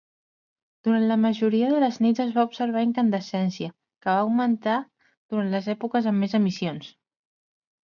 Durant la majoria de les nits es va observar incandescència, que va augmentar durant les èpoques amb més emissions.